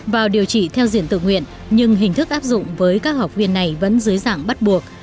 vào điều trị theo diện tự nguyện nhưng hình thức áp dụng với các học viên này vẫn dưới dạng bắt buộc